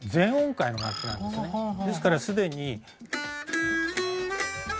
ですからすでに。